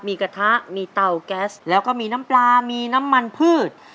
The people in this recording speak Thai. มีกระทะมีเตาแก๊สแล้วก็มีน้ำปลามีน้ำมันพืช